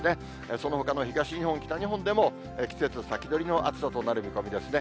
そのほかの東日本、北日本でも季節先取りの暑さとなる見込みですね。